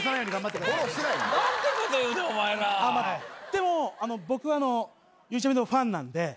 でも僕ゆうちゃみのファンなんで。